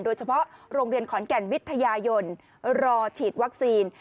โดยเฉพาะโรงเรียนขอนแก่นวิทยายนรอฉีดวัคซีน